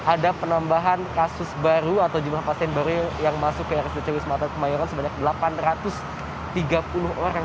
ada penambahan kasus baru atau jumlah pasien baru yang masuk ke rsudc wisma atlet kemayoran sebanyak delapan ratus tiga puluh orang